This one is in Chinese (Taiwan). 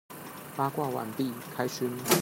八卦完畢，開勳！